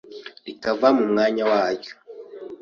rikava mu mwanya waryo